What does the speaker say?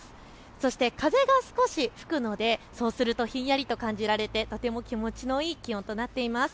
そして風が少し吹くのでそうするとひんやりと感じられてとても気持ちのいい気温となっています。